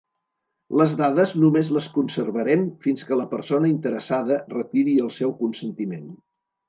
Les dades només les conservarem fins que la persona interessada retiri el seu consentiment.